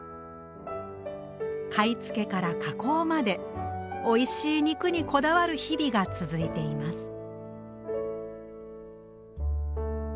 買い付けから加工までおいしい肉にこだわる日々が続いています。